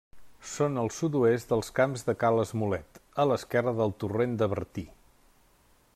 Són al sud-oest dels Camps de Ca l'Esmolet, a l'esquerra del torrent de Bertí.